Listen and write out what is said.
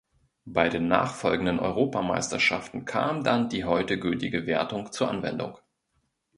Bei den nachfolgenden Europameisterschaften kam dann die heute gültige Wertung zur Anwendung.